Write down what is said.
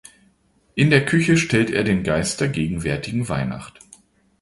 In der Küche stellt er den Geist der gegenwärtigen Weihnacht.